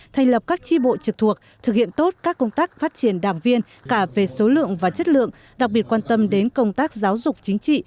thành lập các tri bộ trực thuộc thực hiện tốt các công tác phát triển đảng viên cả về số lượng và chất lượng đặc biệt quan tâm đến công tác giáo dục chính trị